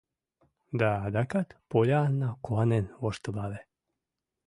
Да адакат Поллианна куанен воштылале.